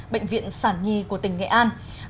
bệnh viện sản nhi của tỉnh nghệ an